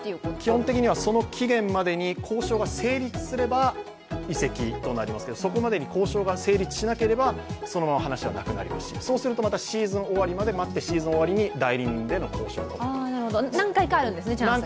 基本的には、その期限までに交渉が成立すれば移籍となりますが、そこまでに交渉が成立しなければそのまま話はなくなりますし、そうするとまたシーズン終わりまで待ってシーズン終わりに代理人での交渉と。何回かあるんですね、チャンスは。